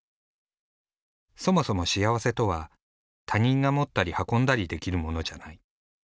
そもそも幸せとは他人が持ったり運んだりできるものじゃない。